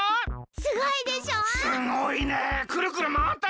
すごいでしょ！